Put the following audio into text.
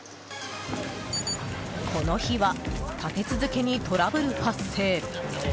この日は立て続けにトラブル発生。